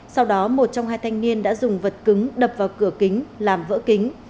sau đó một trong hai thanh niên đã dùng vật cứng đập vào cửa kính làm vỡ kính